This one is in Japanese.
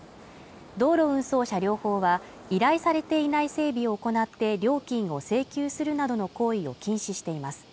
道路運送車両法は依頼されていない整備を行って料金を請求するなどの行為を禁止しています